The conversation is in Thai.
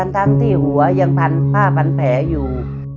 ทั้งที่หัวยังพันผ้าพันแผลอยู่